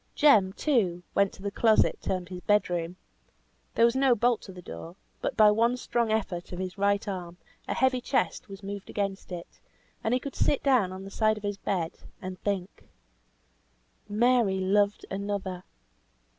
Jem, too, went to the closet termed his bed room. There was no bolt to the door; but by one strong effort of his right arm, a heavy chest was moved against it, and he could sit down on the side of his bed, and think. Mary loved another!